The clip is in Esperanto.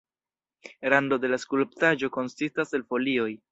Rando de la skulptaĵo konsistas el folioj.